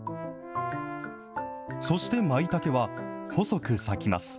そしてまいたけは細く裂きます。